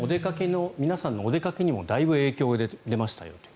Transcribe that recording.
皆さんのお出かけにもだいぶ影響が出ました。